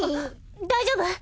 大丈夫？